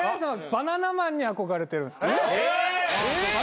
バナナマンさんに憧れてるんで。